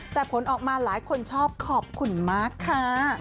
แต่ผลออกมาหลายคนชอบขอบคุณมากค่ะ